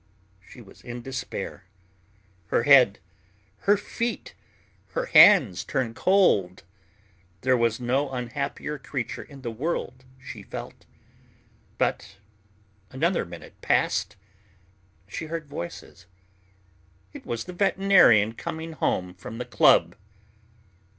She was in despair. Her head, her feet, her hands turned cold. There was no unhappier creature in the world, she felt. But another minute passed, she heard voices. It was the veterinarian coming home from the club.